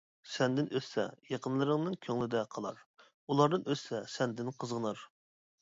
سەندىن ئۆتسە يېقىنلىرىڭنىڭ كۆڭلىدە قالار، ئۇلاردىن ئۆتسە سەندىن قىزغىنار.